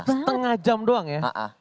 setengah jam doang ya